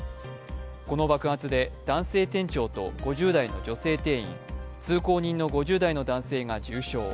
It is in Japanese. この爆発で男性店長と５０代の女性店員、通行人の５０代の男性が重傷。